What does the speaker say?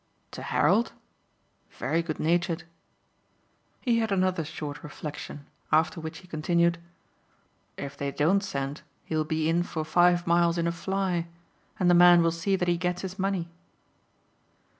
"To Harold? Very good natured." He had another short reflexion, after which he continued: "If they don't send he'll be in for five miles in a fly and the man will see that he gets his money."